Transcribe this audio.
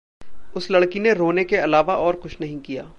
उस लड़की ने रोने के अलावा और कुछ नहीं किया।